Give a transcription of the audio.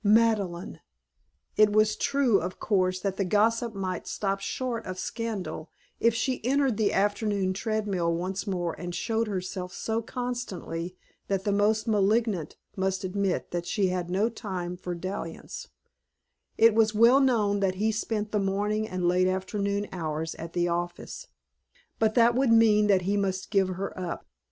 Madeleine! It was true, of course, that the gossip might stop short of scandal if she entered the afternoon treadmill once more and showed herself so constantly that the most malignant must admit that she had no time for dalliance; it was well known that he spent the morning and late afternoon hours at the office. But that would mean that he must give her up.